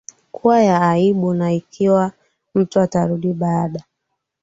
kuwa ya aibu Na ikiwa mtu atarudi baada